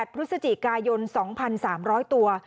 พฤศจิกายน๒๓๐๐ตัว